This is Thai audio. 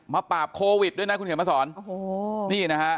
มาปราบโควิดด้วยนะคุณเขียนมาสอน